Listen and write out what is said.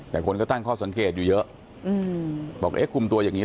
แต่คนก็ตั้งข้อสังเกตอยู่เยอะบอกเอ๊ะคุมตัวอย่างนี้เห